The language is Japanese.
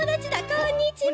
こんにちは！